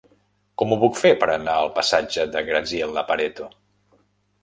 Com ho puc fer per anar al passatge de Graziella Pareto?